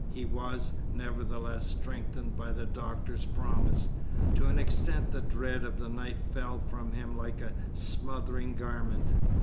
He was, nevertheless, strengthened by the doctor's promise. To an extent the dread of the night fell from him like a smothering garment.